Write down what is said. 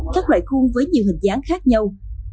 các loại khuôn với nhiều hình dáng khác nhau